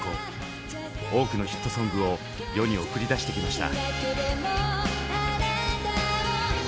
多くのヒットソングを世に送り出してきました。